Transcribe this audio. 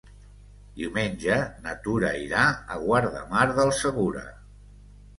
Diumenge na Tura irà a Guardamar del Segura.